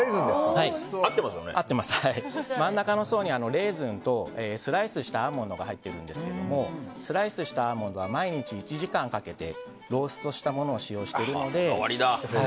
はい、真ん中の層にレーズンとスライスしたアーモンドが入っているんですけれどもスライスしたアーモンドは毎日１時間かけてローストしたものを使用しているので。